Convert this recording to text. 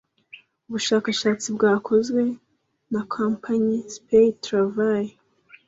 Ubushakashatsi bwakozwe na kompanyi Spies Travel